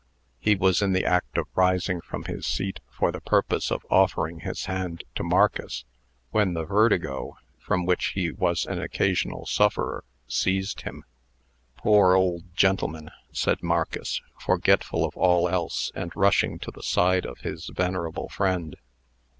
He was in the act of rising from his seat for the purpose of offering his hand to Marcus, when the vertigo, from which he was an occasional sufferer, seized him. "Poor old gentleman!" said Marcus, forgetful of all else, and rushing to the side of his venerable friend.